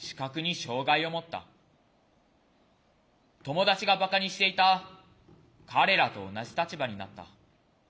友達がばかにしていた彼らと同じ立場になった。